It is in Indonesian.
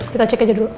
kita cek aja dulu